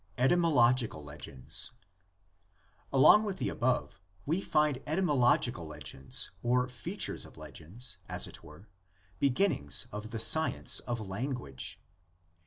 ETYMOLOGICAL LEGENDS. Along with the above we find etymological legends or features of legends, as it were, begin nings of the science of language.